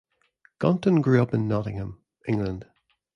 Gunton grew up in Nottingham, England.